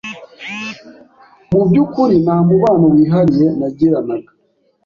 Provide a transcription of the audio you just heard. Mu byukuri nta mubano wihariye nagiranaga